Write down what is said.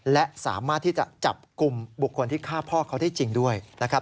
และสามารถที่จะจับกลุ่มบุคคลที่ฆ่าพ่อเขาได้จริงด้วยนะครับ